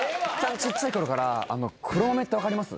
ちっちゃい頃から黒豆って分かります？